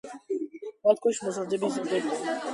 მათ ქვეშ მოიაზრებოდნენ ტერიტორიული წარმონაქმნები და პერსონები.